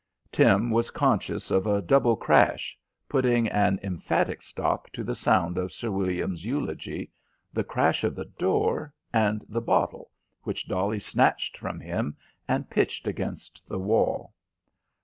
Tim was conscious of a double crash, putting an emphatic stop to the sound of Sir William's eulogy the crash of the door and the bottle which Dolly snatched from him and pitched against the wall.